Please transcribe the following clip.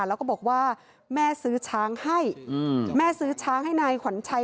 แล้วก็บอกว่าแม่ซื้อช้างให้แม่ซื้อช้างให้นายขวัญชัย